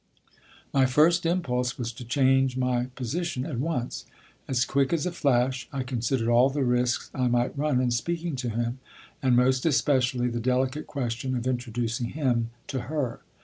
My first impulse was to change my position at once. As quick as a flash I considered all the risks I might run in speaking to him, and most especially the delicate question of introducing him to her.